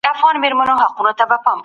خو دوى يې د مريد غمى